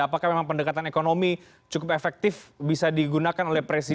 apakah memang pendekatan ekonomi cukup efektif bisa digunakan oleh presiden